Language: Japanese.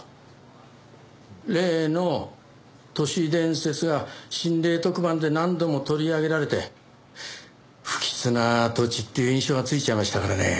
例の都市伝説が心霊特番で何度も取り上げられて不吉な土地っていう印象がついちゃいましたからね。